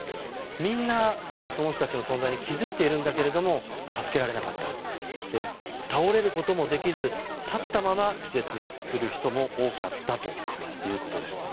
みんな、その人たちの存在に気付いているんだけども助けられなかった倒れることもできず、立ったまま気絶する人も多かったということです。